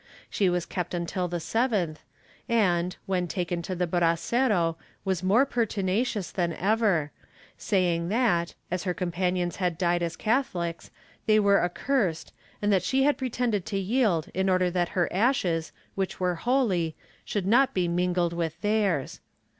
She was kept until the 7th and, when taken to the brasero was more pertinacious, than ever, saying that, as her companions had died as Catholics, they were accursed and that she had pretended to yield in order that her ashes, which were holy, should not be mingled with theirs.